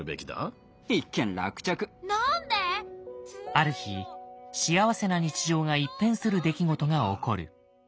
ある日幸せな日常が一変する出来事が起こる。